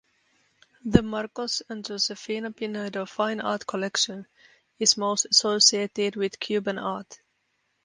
The Marcos and Josefina Pinedo fine art collection is most associated with Cuban art.